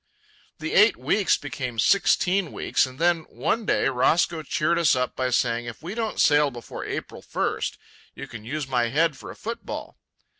The eight weeks became sixteen weeks, and then, one day, Roscoe cheered us up by saying: "If we don't sail before April first, you can use my head for a football."